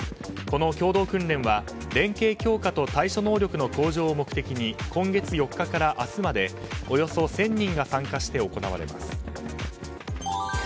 この共同訓練は連携強化と対処能力の向上を目的に今月４日から明日までおよそ１０００人が参加して行われます。